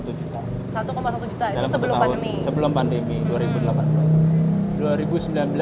satu satu juta itu sebelum pandemi